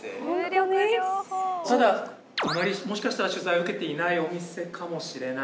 ただあまりもしかしたら取材を受けていないお店かもしれないので。